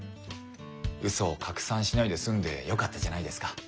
ウソを拡散しないで済んでよかったじゃないですか。